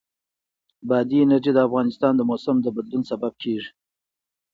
بادي انرژي د افغانستان د موسم د بدلون سبب کېږي.